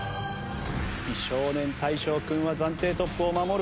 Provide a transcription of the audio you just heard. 美少年大昇君は暫定トップを守る事ができるのか。